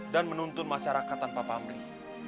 dan menuntun masyarakat tanpa pamrih